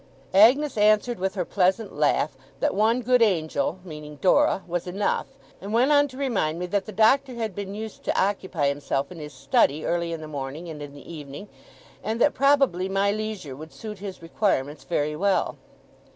Agnes answered with her pleasant laugh, that one good Angel (meaning Dora) was enough; and went on to remind me that the Doctor had been used to occupy himself in his study, early in the morning, and in the evening and that probably my leisure would suit his requirements very well.